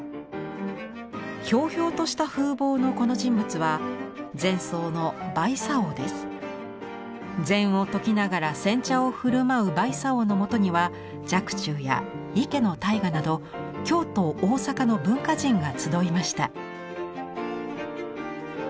ひょうひょうとした風貌のこの人物は禅僧の禅を説きながら煎茶をふるまう売茶翁のもとには若冲や池大雅など京都大坂の文化人が集いました。